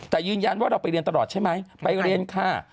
แต่ยืนยันว่าเราไปเรียนตลอดใช่ไหมไปเรียนค่ะ